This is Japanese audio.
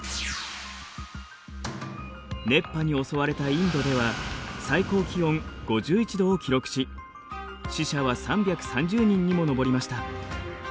熱波に襲われたインドでは最高気温５１度を記録し死者は３３０人にも上りました。